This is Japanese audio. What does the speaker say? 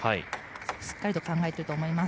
しっかりと考えていると思います。